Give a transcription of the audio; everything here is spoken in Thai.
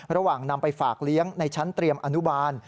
ระหว่างนำไปฝากเลี้ยงในชั้นเตรียมอนุบาล